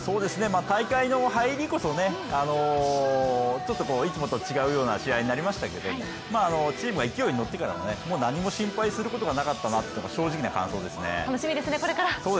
大会の入りこそちょっといつもと違うような試合になりましたけど、チームが勢いに乗ってからもう何も心配することがなかったというのが正直な感想ですね。